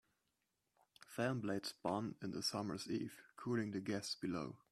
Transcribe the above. Fan blades spun in the summer's eve, cooling the guests below.